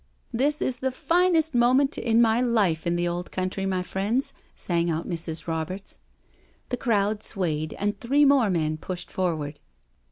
"This is the finest moment in my life in the old country, my friends," sang out Mrs. Roberts. The crowd swayed, and three more men pushed for ward.